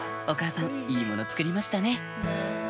お母さんいい物作りましたね